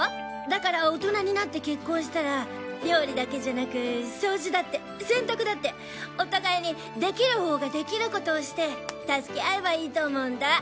だから大人になって結婚したら料理だけじゃなく掃除だって洗濯だってお互いにできるほうができることをして助け合えばいいと思うんだ。